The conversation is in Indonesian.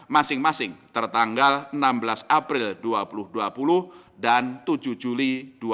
masing masing tertanggal enam belas april dua ribu dua puluh dan tujuh juli dua ribu dua puluh